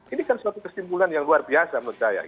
ini kan suatu kesimpulan yang luar biasa menurut saya